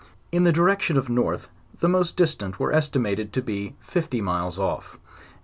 In the direction of north, the most distant were es timated to be fifty milas off, and.